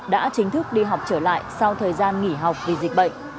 đã chính thức đi học trở lại sau thời gian nghỉ học vì dịch bệnh